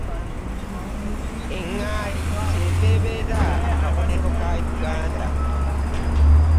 Engaali kyeva ebbeera akabonero ka Uganda.